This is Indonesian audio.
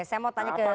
saya mau tanya ke